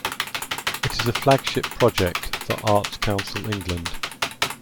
It is a flagship project for Arts Council England.